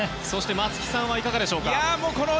そして松木さんはいかがでしょうか。